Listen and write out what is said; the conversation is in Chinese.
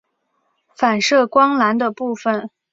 反射光栅的部分。